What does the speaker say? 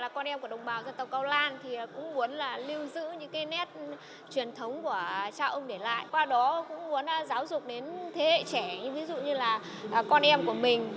qua đó cũng muốn giáo dục đến thế hệ trẻ ví dụ như là con em của mình